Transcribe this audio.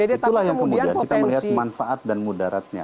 itulah yang kemudian kita melihat manfaat dan mudaratnya